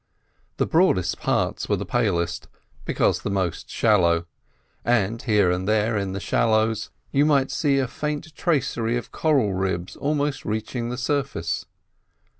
The broadest parts were the palest, because the most shallow; and here and there, in the shallows, you might see a faint tracery of coral ribs almost reaching the surface.